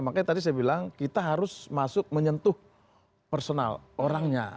makanya tadi saya bilang kita harus masuk menyentuh personal orangnya